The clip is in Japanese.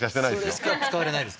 それしか使われないですかね